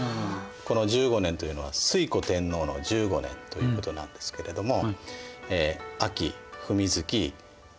この「十五年」というのは推古天皇の１５年ということなんですけれども。